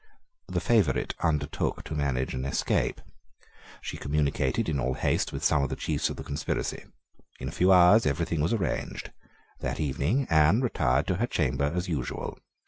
The favourite undertook to manage an escape. She communicated in all haste with some of the chiefs of the conspiracy. In a few hours every thing was arranged. That evening Anne retired to her chamber as usual.